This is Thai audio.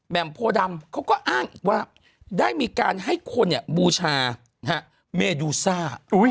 แมห์มโพรดำเขาก็อ้างได้มีการให้คนบู่ชาเมดูซ่า